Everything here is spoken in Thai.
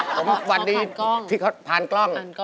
ผมวันนี้ที่ผ่านกล้อง